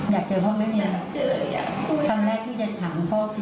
อยากเจอพ่อไม่มียังไง